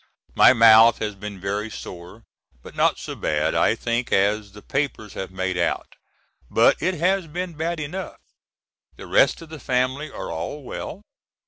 My mouth has been very sore, but not so bad I think as the papers have made out. But it has been bad enough. The rest of the family are all well.